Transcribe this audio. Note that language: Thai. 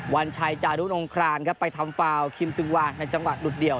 วันชัยจารุนงครานครับไปทำฟาวคิมซึงวางในจังหวะหลุดเดี่ยว